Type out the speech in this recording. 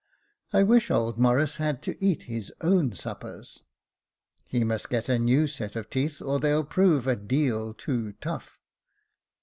" I wish old Morris had to eat his own suppers." "He must get a new set of teeth, or they'll prove a deal too tough."